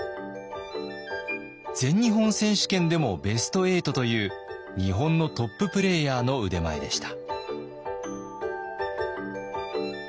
全日本選手権でもベスト８という日本のトッププレーヤーの腕前でした。